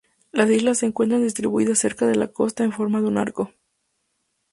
Las islas se encuentran distribuidas cerca de la costa en forma de un arco.